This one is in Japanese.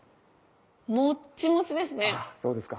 もっちもちですね。